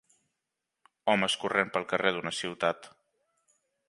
Homes corrent pel carrer d'una ciutat.